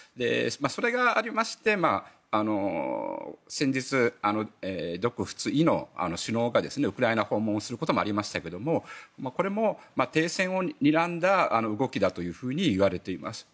それがありまして先日、独仏伊の首脳がウクライナ訪問をすることもありましたけどこれも停戦をにらんだ動きだというふうに言われています。